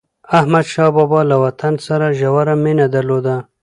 احمدشاه بابا له وطن سره ژوره مینه درلوده.